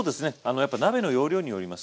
やっぱ鍋の容量によります。